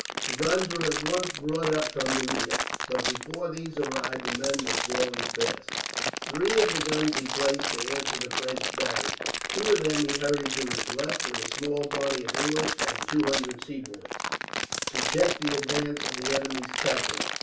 The guns were at once brought up from the rear, but before these arrived the men were falling fast. Three of the guns he placed to answer the French battery, two of them he hurried to his left, with a small body of English and two hundred Sepoys, to check the advance of the enemy's cavalry.